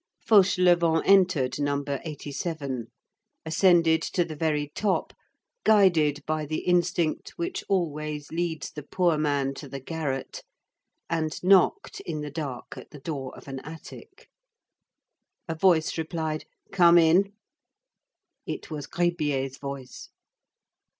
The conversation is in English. Fauchelevent entered No. 87, ascended to the very top, guided by the instinct which always leads the poor man to the garret, and knocked in the dark, at the door of an attic. A voice replied: "Come in." It was Gribier's voice.